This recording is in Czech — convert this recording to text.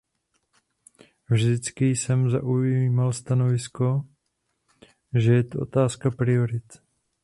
Vždycky jsem zaujímal stanovisko, že je to otázka priorit.